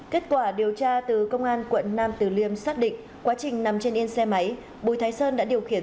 kết quả điều tra từ công an quận nam từ liêm xác định quá trình nằm trên yên xe máy bùi thái sơn đã điều khiển